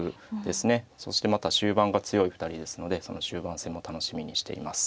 そしてまた終盤が強い２人ですのでその終盤戦も楽しみにしています。